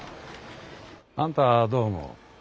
あんたはどう思う？